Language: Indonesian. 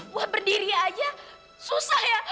buat berdiri aja susah ya